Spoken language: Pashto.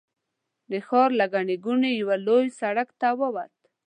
د ښار له ګڼې ګوڼې یوه لوی سړک ته ووت.